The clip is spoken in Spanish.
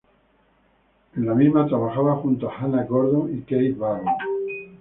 En la misma trabajaba junto a Hannah Gordon y Keith Barron.